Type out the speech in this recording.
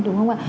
đúng không ạ